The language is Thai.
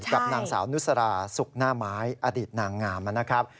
กับหลังสาวนุษราสุขหน้าม้ายอดีตหน่างงามน่ะนะครับ